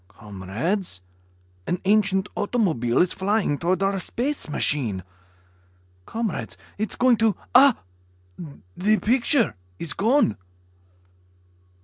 Comrades ... an ancient automobile is flying toward our space machine. Comrades ... it is going to Ah ... the picture is gone."